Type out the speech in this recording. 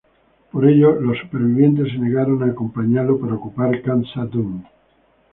Por ello los sobrevivientes se negaron a acompañarlo para ocupar Khazad-dûm.